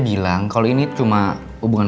bilang kalau ini cuma hubungan